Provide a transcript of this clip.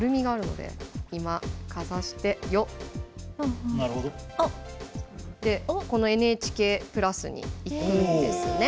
でこのＮＨＫプラスに行くんですね。